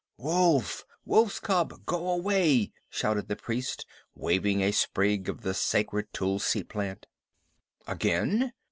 "Wolf! Wolf's cub! Go away!" shouted the priest, waving a sprig of the sacred tulsi plant. "Again?